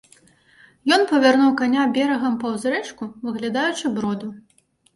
Ён павярнуў каня берагам паўз рэчку, выглядаючы броду.